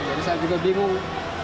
jadi saya juga bingung